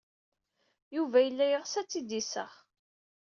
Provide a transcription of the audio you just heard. Yuba yella yeɣs ad tt-id-iseɣ.